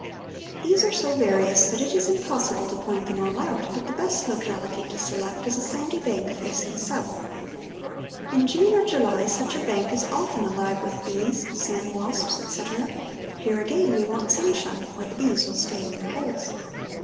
These are so various that it is impossible to point them all out, but the best locality to select is a sandy bank facing south. In June or July such a bank is often alive with bees, sand wasps, etc.; here, again, we want sunshine or the bees will stay in their holes.